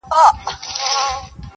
له کلونو پوروړی د سرکار وو!!